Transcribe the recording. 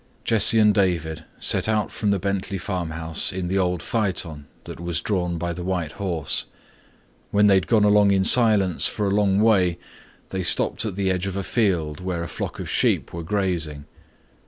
Jesse and David set out from the Bentley farmhouse in the old phaeton that was drawn by the white horse. When they had gone along in silence for a long way they stopped at the edge of a field where a flock of sheep were grazing.